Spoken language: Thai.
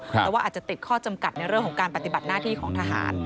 แต่ว่าอาจจะติดข้อจำกัดในเรื่องของการปฏิบัติหน้าที่ของทหาร